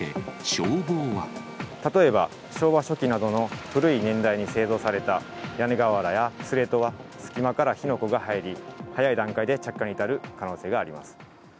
例えば昭和初期などの古い年代に製造された、屋根瓦やスレートは、隙間から火の粉が入り、早い段階で着火に至る可能性があります。